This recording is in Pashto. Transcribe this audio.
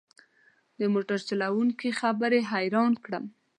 د موټر چلوونکي خبرې حيران کړم.